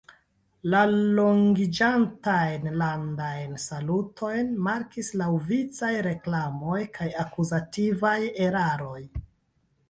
La longiĝantajn landajn salutojn markis laŭvicaj reklamoj kaj akuzativaj eraroj.